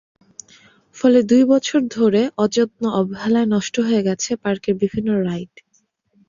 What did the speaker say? ফলে দুই বছর ধরে অযত্ন-অবহেলায় নষ্ট হয়ে গেছে পার্কের বিভিন্ন রাইড।